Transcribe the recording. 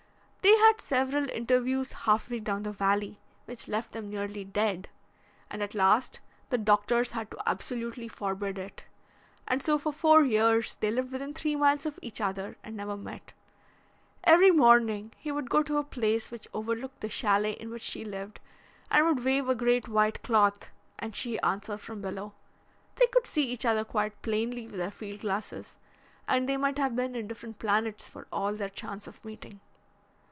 They had several interviews half way down the valley, which left them nearly dead, and at last, the doctors had to absolutely forbid it. And so for four years they lived within three miles of each other and never met. Every morning he would go to a place which overlooked the chalet in which she lived and would wave a great white cloth and she answer from below. They could see each other quite plainly with their field glasses, and they might have been in different planets for all their chance of meeting."